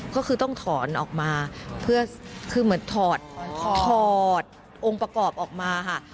ก็คือต้องถอนออกมาเพื่อคือเหมือนถอดถอดองค์ประกอบออกมาค่ะ